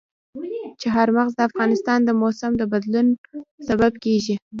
چار مغز د افغانستان د موسم د بدلون سبب کېږي.